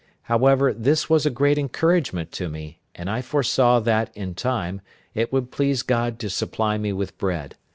However, this was a great encouragement to me, and I foresaw that, in time, it would please God to supply me with bread.